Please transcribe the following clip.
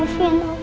tapi belum kuat